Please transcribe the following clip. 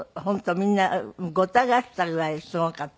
みんなごった返したぐらいすごかった。